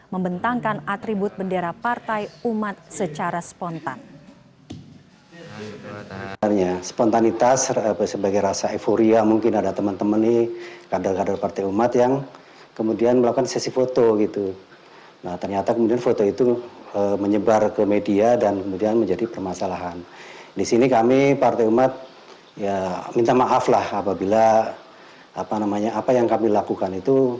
membentangkan atribut bendera partai umat secara spontan